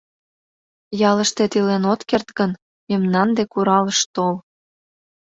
— Ялыштет илен от керт гын, мемнан дек, Уралыш, тол.